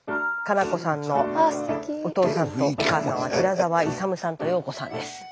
加那子さんのお父さんとお母さんは寺澤勇さんと洋子さんです。